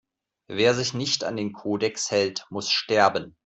Wer sich nicht an den Kodex hält, muss sterben!